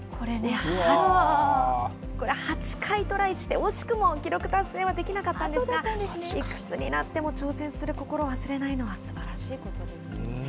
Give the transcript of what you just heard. これ、８回トライして、惜しくも記録達成はできなかったんですが、いくつになっても挑戦する心を忘れないのはすばらしいことですよ